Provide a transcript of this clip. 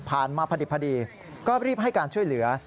ผ่านมาพัดิบพัดีก็รีบให้การช่วยเหลือ